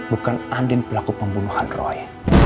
bukan andin pelaku pembunuhan roy